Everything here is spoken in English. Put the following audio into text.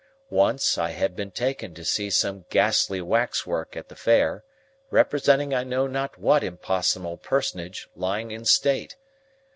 Once, I had been taken to see some ghastly waxwork at the Fair, representing I know not what impossible personage lying in state.